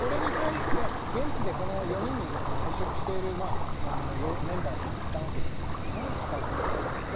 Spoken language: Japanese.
現地で４人に接触しているメンバーがいたわけですがそこら辺は固いと思います。